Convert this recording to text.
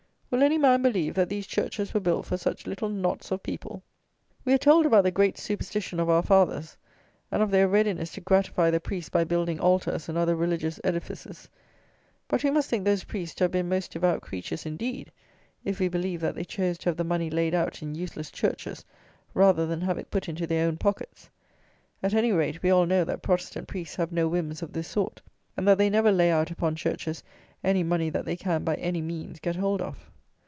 will any man believe that these churches were built for such little knots of people? We are told about the great superstition of our fathers, and of their readiness to gratify the priests by building altars and other religious edifices. But we must think those priests to have been most devout creatures indeed, if we believe that they chose to have the money laid out in useless churches, rather than have it put into their own pockets! At any rate, we all know that Protestant Priests have no whims of this sort; and that they never lay out upon churches any money that they can, by any means, get hold of.